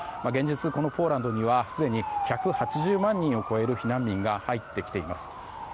現実、このポーランドにはすでに１８０万人を超える避難民が入ってきています。